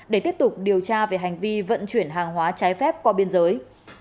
để tiếp tục điều tra về hành vi vận chuyển hàng hóa trái phép qua biên giới